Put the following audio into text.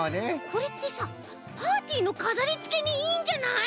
これってさパーティーのかざりつけにいいんじゃない？